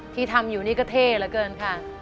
ที่ทำอยู่นี่ก็เท่เหลือเกินค่ะ